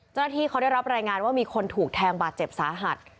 เจ้าหน้าที่เขาได้รับรายงานว่ามีคนถูกแทงบาดเจ็บสาหัส